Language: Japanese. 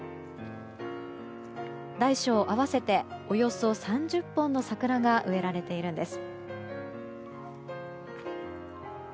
大小合わせておよそ３００本の桜が植えられているんです。